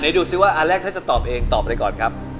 ดูซิว่าอันแรกถ้าจะตอบเองตอบอะไรก่อนครับ